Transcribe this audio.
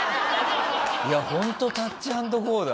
いやホントタッチアンドゴーだ。